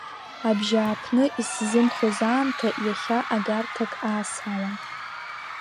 Абжьааԥны исзымхоз аамҭа иахьа агарҭак аасауам.